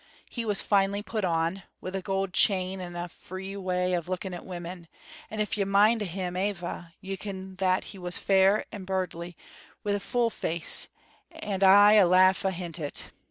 He was finely put on, wi' a gold chain, and a free w'y of looking at women, and if you mind o' him ava, you ken that he was fair and buirdly, wi' a full face, and aye a laugh ahint it.